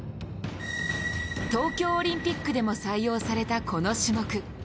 東京オリンピックでも採用されたこの種目。